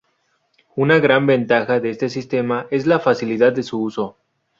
Una gran ventaja de este sistema es la facilidad de su uso.